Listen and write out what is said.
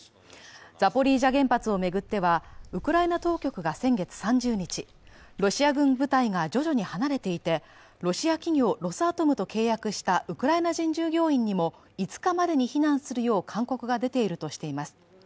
ザポリージャ原発を巡ってはウクライナ当局が先月３０日、ロシア軍部隊が徐々に離れていてロシア企業ロスアトムと契約したウクライナ人従業員にも５日までに避難するよう勧告が出ているとしています。